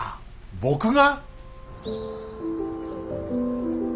僕が！？